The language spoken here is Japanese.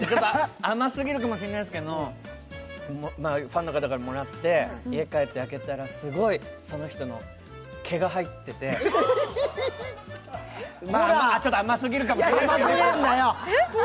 甘すぎるかもしれないですけど、ファンの方からもらって、家に帰って開けたらすごいその人の毛が入っててちょっと甘すぎるかもしれないですけど。